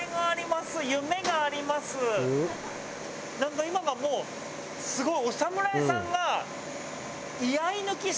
なんか今のがもうすごい。